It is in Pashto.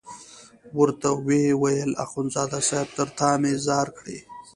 ورته ویې ویل اخندزاده صاحب تر تا مې ځار کړې.